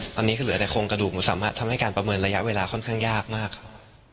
ตอนนี้ก็เหลือแต่โครงกระดูกมันสามารถทำให้การประเมินระยะเวลาค่อนข้างยากมากครับ